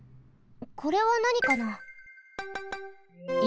これはなにかな？